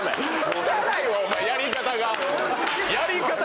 汚いわお前やり方が！